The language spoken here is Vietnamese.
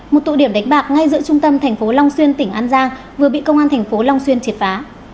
một tụ điểm đánh bạc ngay giữa trung tâm tp long xuyên tỉnh an giang vừa bị công an tp long xuyên triệt phá